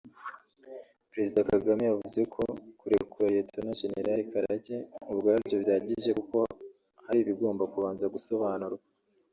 Perezida Kagame yavuze ko kurekura Lt Gen Karake ubwabyo bidahagije kuko hari ibigomba kubanza gusobanurwa